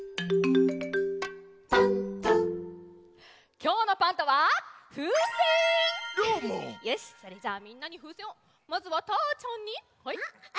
きょうのよしそれじゃあみんなにふうせんをまずはたーちゃんにはい。